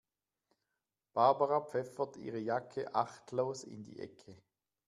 Barbara pfeffert ihre Jacke achtlos in die Ecke.